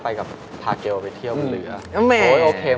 แล้วออกกระเด็นไปนู่นเลย